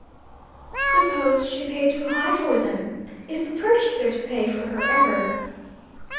"Suppose she paid too high for them? Is the purchaser to pay for her error?"